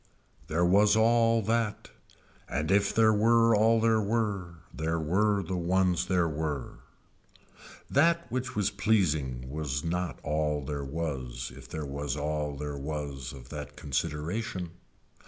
There was all that and if there were all there were there were the ones there were. That which was pleasing was not all there was if there was all there was of that consideration.